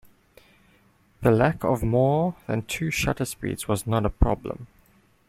The lack of more than two shutter speeds was not a problem.